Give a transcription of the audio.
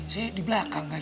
saya di belakang kan